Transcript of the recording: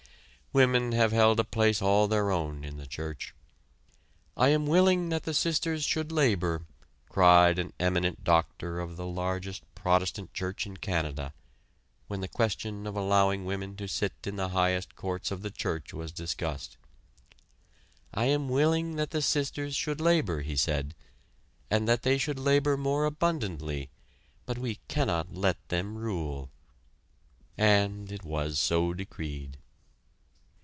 Women have held a place all their own in the church. "I am willing that the sisters should labor," cried an eminent doctor of the largest Protestant church in Canada, when the question of allowing women to sit in the highest courts of the church was discussed. "I am willing that the sisters should labor," he said, "and that they should labor more abundantly, but we cannot let them rule." And it was so decreed.